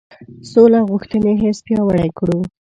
سوله غوښتنې حس پیاوړی کړو.